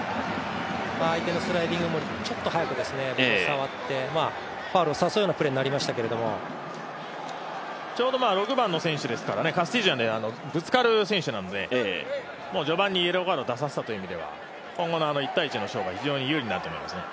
相手のスライディングもちょっと早く触って、ファウルを誘うようなプレーになりましたけどもちょうど６番の選手でしたので、カスティージョ選手はぶつかる選手なので序盤にイエローカードを出させたっていう意味では今後の１対１の戦いが非常に有利になると思いますね。